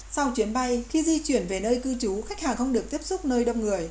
sau chuyến bay khi di chuyển về nơi cư trú khách hàng không được tiếp xúc nơi đông người